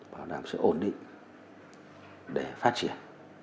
bảo đảm sự ổn định để phát triển